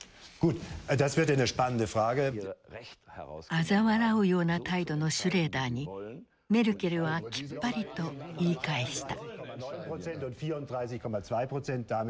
あざ笑うような態度のシュレーダーにメルケルはきっぱりと言い返した。